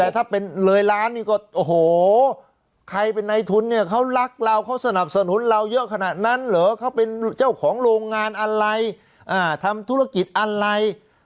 แต่ถ้าเป็นเลยล้านนี่ก็โอ้โหใครเป็นในทุนเนี่ยเขารักเราเขาสนับสนุนเราเยอะขนาดนั้นเหรอเขาเป็นเจ้าของโรงงานอะไรทำธุรกิจอะไร